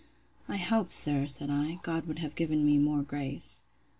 I hope, sir, said I, God would have given me more grace.